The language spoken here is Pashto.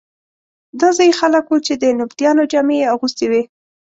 دا ځايي خلک وو چې د نبطیانو جامې یې اغوستې وې.